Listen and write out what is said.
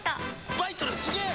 バイトルすげえ！